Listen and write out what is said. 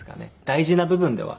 大事な部分では。